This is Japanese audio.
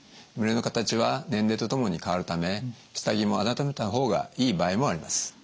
胸の形は年齢とともに変わるため下着も改めた方がいい場合もあります。